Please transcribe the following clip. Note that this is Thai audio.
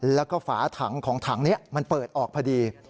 แล้วก็ฝาถังของถังนี้มันเปิดออกพอดี